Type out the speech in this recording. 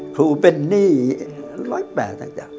ครูเป็นนี่ร้อยแปดอ่ะจ๊ะ